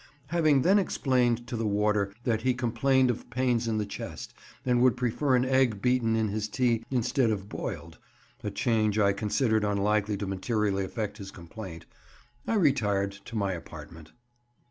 Having then explained to the warder that he complained of pains in the chest, and would prefer an egg beaten in his tea instead of boiled (a change I considered unlikely to materially affect his complaint), I retired to my apartment.